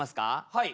はい。